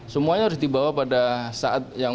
semuanya harus dibawa pada saat yang